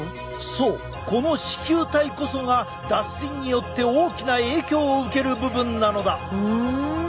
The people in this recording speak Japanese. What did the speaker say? そうこの糸球体こそが脱水によって大きな影響を受ける部分なのだ。